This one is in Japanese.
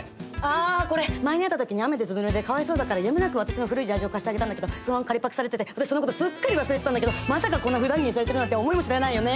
あこれ前に会った時に雨でずぶぬれでかわいそうだからやむなく私の古いジャージを貸してあげたんだけどそのまま借りパクされてて私そのことすっかり忘れてたんだけどまさかこんなふだん着にされてるなんて思いもしないよね。